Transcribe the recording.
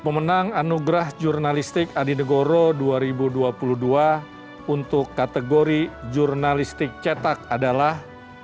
pemenang anugerah jurnalistik adi negoro dua ribu dua puluh dua untuk kategori jurnalistik cetak adalah